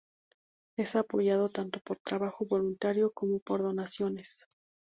Es apoyado tanto por trabajo voluntario como por donaciones.